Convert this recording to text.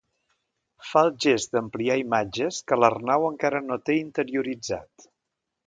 Fa el gest d'ampliar imatges que l'Arnau encara no té interioritzat.